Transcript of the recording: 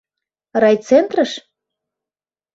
Райцентрыш?